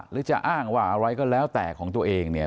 หรือจะอ้างว่าอะไรก็แล้วแต่ของตัวเองเนี่ย